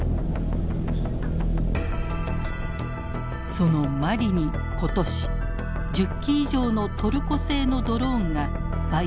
そのマリに今年１０機以上のトルコ製のドローンが売却されたのです。